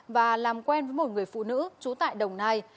và làm quen với một người phụ nữ trú tại đồng nai